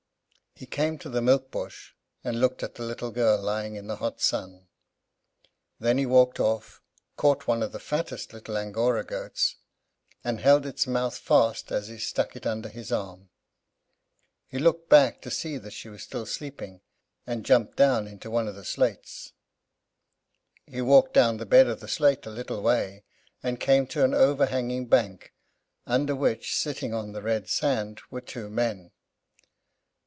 He came to the milk bush, and looked at the little girl lying in the hot sun. Then he walked off, and caught one of the fattest little Angora goats, and held its mouth fast, as he stuck it under his arm. He looked back to see that she was still sleeping, and jumped down into one of the sluits. He walked down the bed of the sluit a little way and came to an overhanging bank, under which, sitting on the red sand, were two men.